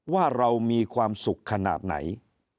ว่าเรามีความสุขขนาดไหน